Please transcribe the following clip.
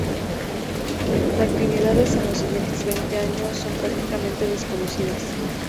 Sus actividades en los siguientes veinte años son prácticamente desconocidas.